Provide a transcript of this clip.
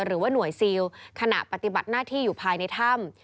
หรือว่าหน่วยซิลขณะปฏิบัติหน้าที่อยู่ภายในถ้ำ